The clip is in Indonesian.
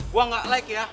gue gak like ya